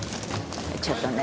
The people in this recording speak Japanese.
ちょっとね